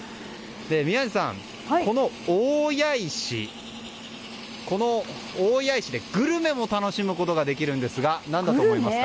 宮司さん、この大谷石でグルメも楽しむことができるんですが何だと思いますか？